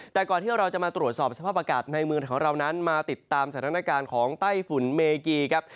แต่ก่อนที่เราจะมาตรวจสอบสภาพอากาศในเมืองของเรานั้นมาติดตามสถานการณ์ของไต้ฝุ่นเมกีครับ